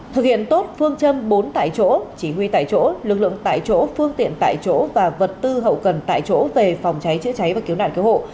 thực hiện tốt phương châm bốn tại chỗ chỉ huy tại chỗ lực lượng tại chỗ phương tiện tại chỗ và vật tư hậu cần tại chỗ về phòng cháy chữa cháy và cứu nạn cứu hộ